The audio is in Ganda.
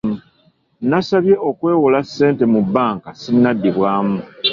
Nasabye okwewola ssente mu bbanka sinnaddibwamu.